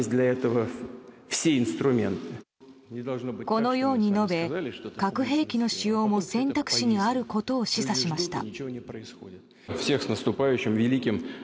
このように述べ核兵器の使用も選択肢にあることを示唆しました。